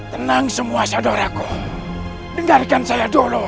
tenang semua saudaraku dengarkan saya dulu